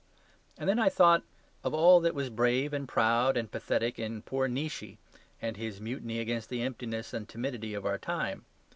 And then I thought of all that was brave and proud and pathetic in poor Nietzsche, and his mutiny against the emptiness and timidity of our time.